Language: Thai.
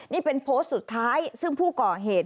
นี่เป็นโพสต์สุดท้ายซึ่งผู้ก่อเหตุ